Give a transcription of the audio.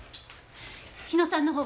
日野さんの方は？